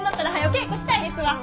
稽古したいですわ。